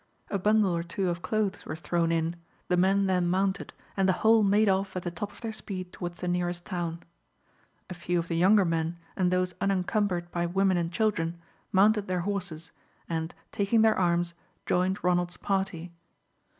A bundle or two of clothes were thrown in, the men then mounted, and the whole made off at the top of their speed towards the nearest town. A few of the younger men, and those unencumbered by women and children, mounted their horses, and taking their arms, joined Ronald's party.